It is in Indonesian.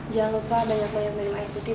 jangan lupa banyak banyak minum air putih